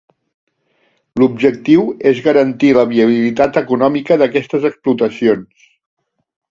L'objectiu és garantir la viabilitat econòmica d'aquestes explotacions.